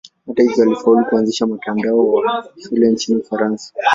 Hata hivyo alifaulu kuanzisha mtandao wa shule nchini Ufaransa.